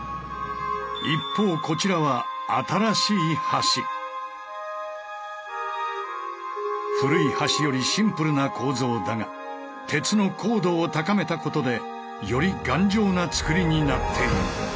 一方こちらは古い橋よりシンプルな構造だが鉄の硬度を高めたことでより頑丈な造りになっている。